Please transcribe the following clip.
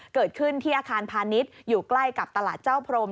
เกิดขึ้นที่อาคารพาณิชย์อยู่ใกล้กับตลาดเจ้าพรม